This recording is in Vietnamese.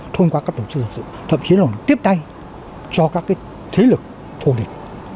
thông qua các tổ chức dân sự thậm chí là tiếp tay cho các thế lực thù địch